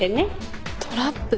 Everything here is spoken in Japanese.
トラップ？